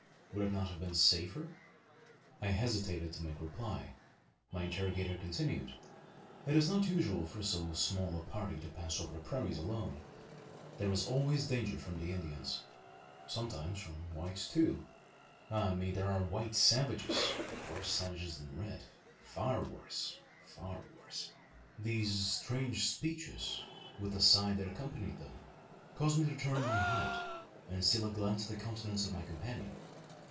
Would it not have been safer?" I hesitated to make reply. My interrogator continued: "It is not usual for so small a party to pass over the prairies alone. There is always danger from the Indians. Sometimes from whites too! Ah me! there are white savages worse savages than red far worse far worse!" These strange speeches, with the sigh that accompanied them, caused me to turn my head, and steal a glance at the countenance of my companion.